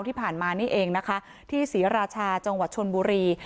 ที่ผ่านมานี่เองนะคะที่ศรีราชาจังหวัดชนบุรี